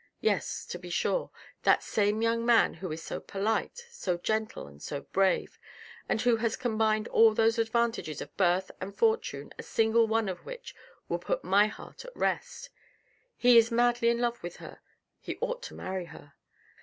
Yes, to be sure, that same young man who is so polite, so gentle, and so brave, and who has combined all those advantages of birth and fortune a single one of which would put my heart at rest — he is madly in love with her, he ought to marry her.